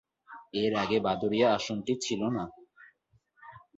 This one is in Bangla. এর আগে বাদুড়িয়া আসনটি ছিল না।